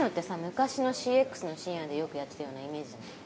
昔のＣＸの深夜でよくやってたようなイメージなんだよね。